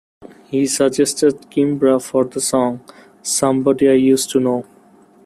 He suggested Kimbra for the song "Somebody I used to Know".